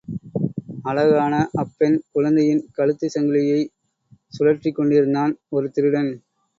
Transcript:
அழகான அப்பெண் குழந்தையின் கழுத்துச் சங்கிலியைக் கழற்றிக்கொண்டிருந்தான் ஒரு திருடன்!